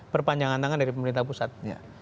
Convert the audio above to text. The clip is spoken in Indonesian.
perpanjangan tangan dari pemerintah pusat